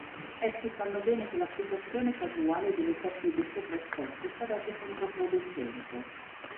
Essi sanno bene che l'applicazione casuale delle tecniche sopra esposte sarebbe controproducente.